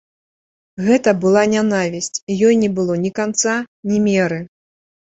Гэта была нянавісць, і ёй не было ні канца, ні меры.